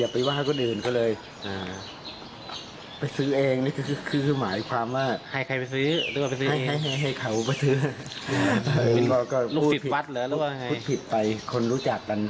พูดผิดไปคนรู้จักกัน